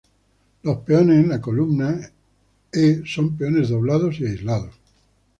Los peones en la columna e son peones doblados y aislados.